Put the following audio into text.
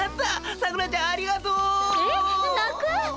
さくらちゃんありがとう。えっ？なく！？